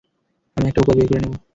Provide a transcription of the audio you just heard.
আমি একটা উপায় বের করে নেবো!